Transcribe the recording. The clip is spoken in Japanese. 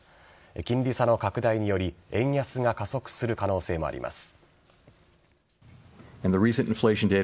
金利差の拡大により円安が加速する恐れがあります。